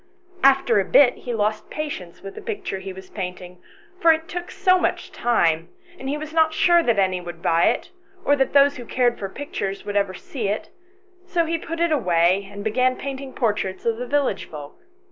After a bit he lost patience with the picture he was painting, for it took so much time, and he was not sure that any would buy it, or that those who cared for pictures would ever see it, and so he put it away, and began painting portraits of the village folk.